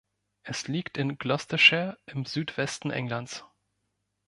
Es liegt in Gloucestershire im Südwesten Englands.